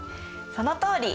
そのとおり！